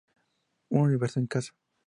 Un Universo En Casa".